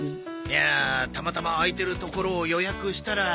いやたまたま空いてるところを予約したら。